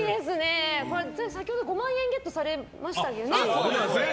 先ほど５万円ゲットされましたよね。